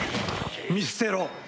見捨てろ。